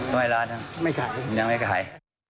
ต้องให้ล้านนึงยังไม่ขาย